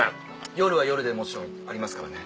夜は夜でもちろんありますからね。